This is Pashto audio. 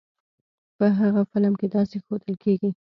په هغه فلم کې داسې ښودل کېږی.